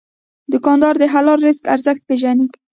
دوکاندار د حلال رزق ارزښت پېژني.